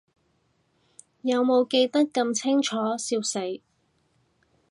有無記得咁清楚，笑死